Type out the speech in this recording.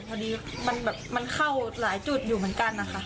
พอดีมันแบบมันเข้าหลายจุดอยู่เหมือนกันนะคะ